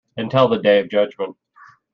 Until the Day of Judgment.